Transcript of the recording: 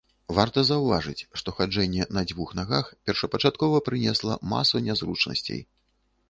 Варта заўважыць, што хаджэнне на дзвюх нагах першапачаткова прынесла масу нязручнасцей.